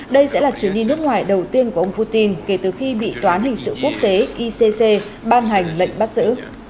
đây sẽ là chuyến đi nước ngoài đầu tiên của ông putin kể từ khi bị toán hình sự quốc tế icc ban hành lệnh bắt giữ